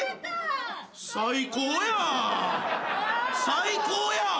最高やん。